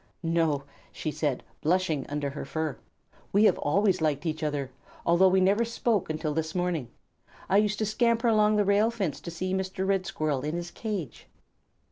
"No," she said, blushing under her fur. "We have always liked each other, although we never spoke until this morning. I used to scamper along the rail fence to see Mr. Red Squirrel in his cage."